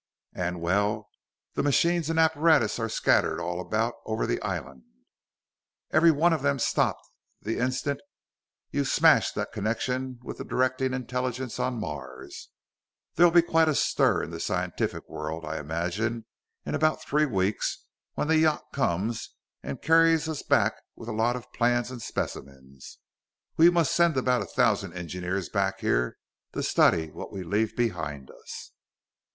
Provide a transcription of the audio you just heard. "And, well, the machines and apparatus are scattered about all over the island. Every one of them stopped the instant you smashed the connection with the directing intelligence on Mars. There'll be quite a stir in the scientific world, I imagine, in about three weeks, when the yacht comes and carries us back with a lot of plans and specimens. We must send about a thousand engineers back here to study what we leave behind us.